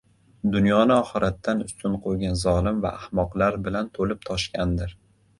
dunyoni oxiratdan ustun qo‘ygan zolim, va ahmoqlar bilan to‘lib-toshgandir.